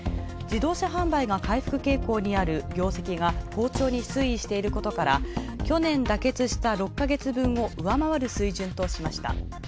自動車販売が回復傾向にある業績が好調に推移していることから、去年妥結した６か月分を上回る水準としました。